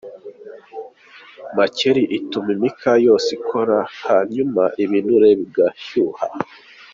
Makeri ituma imikaya yose ikora, hanyuma ibinure bigashyuha.